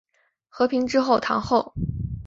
和平之后堂后。